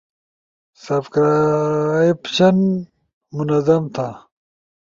سبکرائبشن منظم تھا